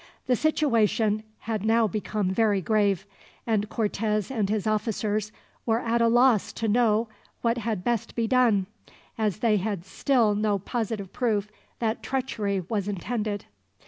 The situation had now become very grave, and Cortez and his officers were at a loss to know what had best be done, as they had still no positive proof that treachery was intended.